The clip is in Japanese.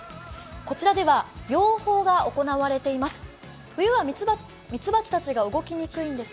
こちらでは養蜂が行われています。